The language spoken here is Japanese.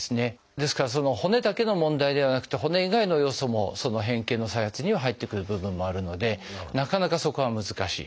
ですから骨だけの問題ではなくて骨以外の要素も変形の再発には入ってくる部分もあるのでなかなかそこは難しい。